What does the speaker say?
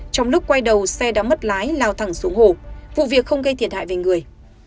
trong lúc quay đầu xe đã mất lái lao thẳng xuống hồ vụ việc không gây thiệt hại về người